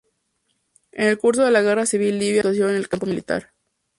En el curso de la guerra civil libia tuvo actuación en el campo militar.